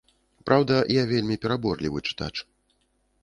Праўда, я вельмі пераборлівы чытач.